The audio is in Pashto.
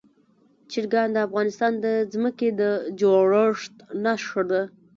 چرګان د افغانستان د ځمکې د جوړښت نښه ده.